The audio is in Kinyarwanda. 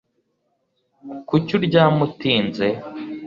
Kuki uryama utinze